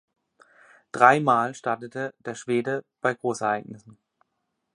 Dreimal startete der Schwede bei Großereignissen.